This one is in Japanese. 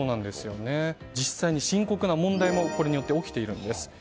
実際に深刻な問題もこれによって起きているんです。